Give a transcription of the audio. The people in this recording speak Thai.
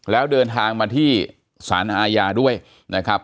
แล้วเดินทางมาที่สารอาญาด้วยนะครับ